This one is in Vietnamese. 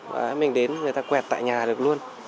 đấy mình đến người ta quẹt tại nhà được luôn